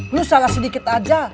lu salah sedikit aja